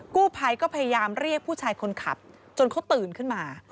กู้ภัยก็พยายามเรียกผู้ชายคนขับจนเขาตื่นขึ้นมา